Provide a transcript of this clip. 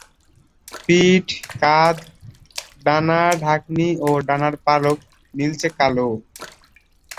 পিঠ, কাঁধ, ডানা-ঢাকনি ও ডানার পালক নীলচে কালো।